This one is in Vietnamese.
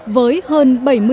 với hơn bảy năm